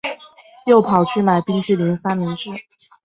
又跑去买冰淇淋三明治